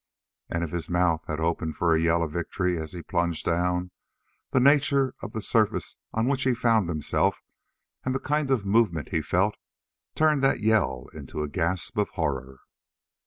And if his mouth had opened for a yell of victory as he plunged down, the nature of the surface on which he found himself, and the kind of movement he felt, turned that yell into a gasp of horror.